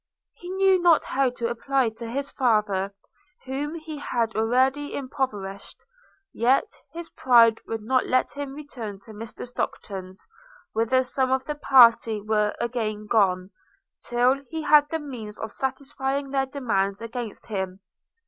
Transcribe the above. He knew not how to apply to his father, whom he had already impoverished; yet his pride would not let him return to Mr Stockton's, whither some of the party were again gone, till he had the means of satisfying their demands against him.